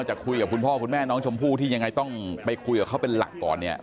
จะคุยกับคุณพ่อคุณแม่น้องชมพู่ที่ยังไงต้องไปคุยกับเขาเป็นหลักก่อนเนี่ย